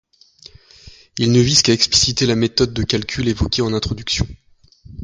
Ils ne visent qu'à expliciter la méthode de calcul évoquée en introduction.